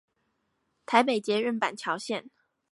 台北捷運板橋線